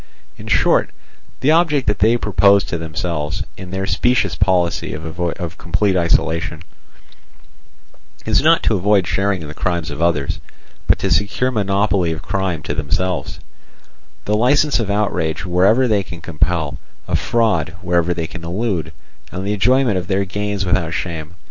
In short, the object that they propose to themselves, in their specious policy of complete isolation, is not to avoid sharing in the crimes of others, but to secure monopoly of crime to themselves—the licence of outrage wherever they can compel, of fraud wherever they can elude, and the enjoyment of their gains without shame.